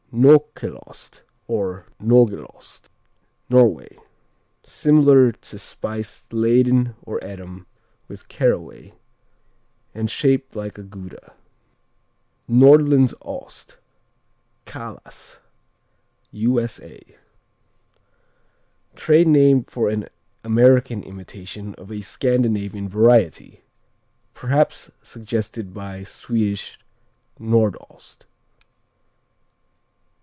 Noekkelost or Nögelost Norway Similar to spiced Leyden or Edam with caraway, and shaped like a Gouda. Nordlands Ost "Kalas" U.S.A. Trade name for an American imitation of a Scandinavian variety, perhaps suggested by Swedish Nordost.